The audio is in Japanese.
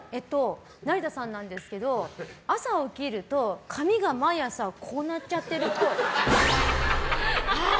成田さんなんですけど朝起きると髪が毎朝こうなっちゃってるっぽい。